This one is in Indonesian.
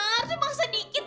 meja aja writing it